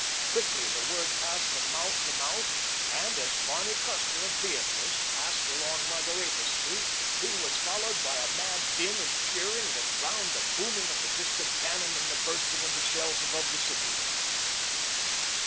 Quickly the word passed from mouth to mouth, and as Barney Custer, of Beatrice, passed along Margaretha Street he was followed by a mad din of cheering that drowned the booming of the distant cannon and the bursting of the shells above the city.